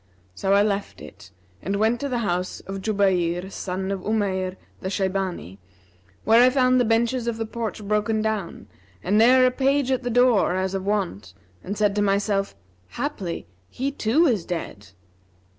So I left it and went on to the house of Jubayr, son of Umayr the Shaybani, where I found the benches of the porch broken down and ne'er a page at the door, as of wont and said to myself, 'Haply he too is dead.'